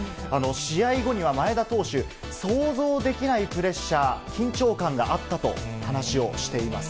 試合後には、前田投手、想像できないプレッシャー、緊張感があったと話をしています。